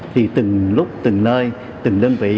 thì từng lúc từng nơi từng đơn vị